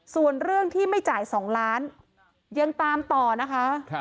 ส่วนเรื่องที่ไม่จ่าย๒ล้านยังตามต่อนะคะ